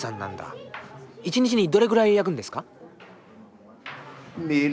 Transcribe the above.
一日にどれぐらい焼くんですか？